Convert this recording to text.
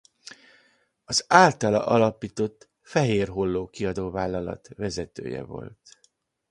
Az általa alapított Fehér Holló Kiadóvállalat vezetője volt.